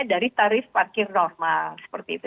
dari tarif parkir normal seperti itu